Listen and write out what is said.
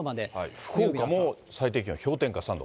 福岡も最低気温氷点下３度。